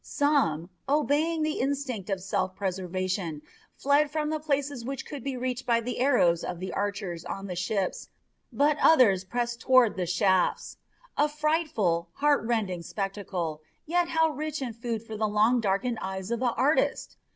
Some, obeying the instinct of self preservation, fled from the places which could be reached by the arrows of the archers on the ships, but others pressed toward the shafts. A frightful, heart rending spectacle, yet how rich in food for the long darkened eyes of the artist!